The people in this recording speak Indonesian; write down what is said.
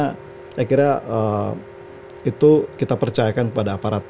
saya kira itu kita percayakan kepada aparat